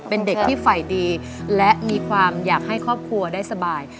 เป็นเด็กที่ฝ่ายดีและมีความอยากให้ครอบครัวได้สบาย